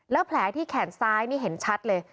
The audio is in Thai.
แล้วแผลที่แขนซ้ายนี่เห็นชัดเลย